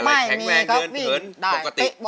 สวัสดีครับ